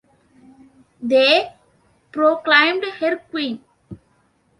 They proclaimed her queen.